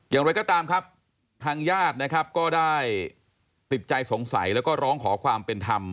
อย่างไรก็ตามครับทางญาตินะครับก็ได้ติดใจสงสัยแล้วก็ร้องขอความเป็นธรรม